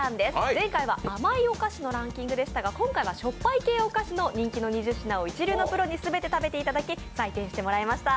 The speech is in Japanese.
前回は甘いお菓子のランキングでしたが、今回はしょっぱい系お菓子の人気の２０品を一流のプロに食べていただき採点してもらいました。